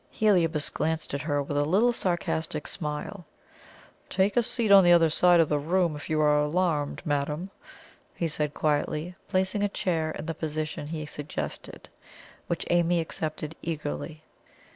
Heliobas glanced at her with a little sarcastic smile. "Take a seat on the other side of the room, if you are alarmed, madame," he said quietly, placing a chair in the position he suggested, which Amy accepted eagerly.